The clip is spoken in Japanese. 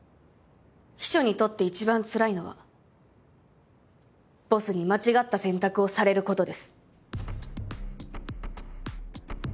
秘書にとって一番つらいのはボスに間違った選択をされる事です。